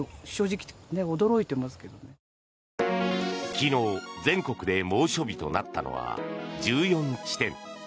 昨日、全国で猛暑日となったのは１４地点。